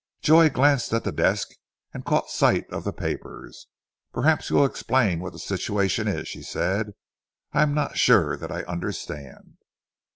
Joy glanced at the desk, and caught sight of the papers. "Perhaps you will explain what the situation is," she said. "I am not sure that I understand."